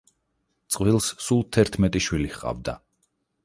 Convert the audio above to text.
წყვილს სულ თერთმეტი შვილი ჰყავდა.